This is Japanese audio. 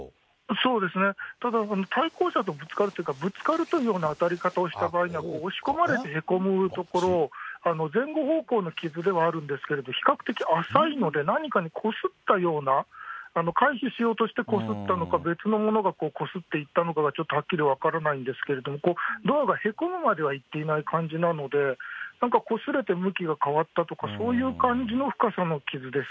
そうですね、ただ、対向車にぶつかるというか、ぶつかるような当たり方をした場合には、押し込まれてへこむところ、前後方向の傷ではあるんですけど、比較的浅いので、何かにこすったような回避しようとしてこすったのか、別のものがこすっていったのかがはっきり分からないんですけれども、ドアがへこむまではいっていない感じなので、なんかこすれて向きが変わったとか、そういう感じの深さの傷です。